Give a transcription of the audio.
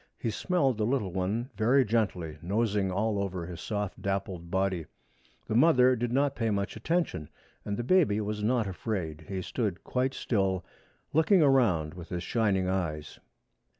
He smelled the little one very gently, nosing all over his soft dappled body. The mother did not pay much attention, and the baby was not afraid. He stood quite still, looking around with his shining eyes.